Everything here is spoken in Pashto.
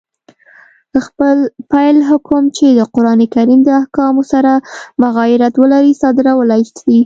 خپل بېل حکم، چي د قرآن کریم د احکامو سره مغایرت ولري، صادرولای سي.